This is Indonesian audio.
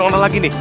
itu berarti gila